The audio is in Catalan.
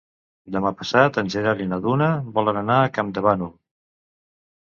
Demà passat en Gerard i na Duna volen anar a Campdevànol.